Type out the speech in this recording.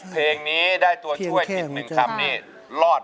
ร้องเข้าให้เร็ว